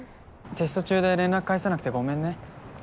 テスト中で連絡返せなくてごめんね。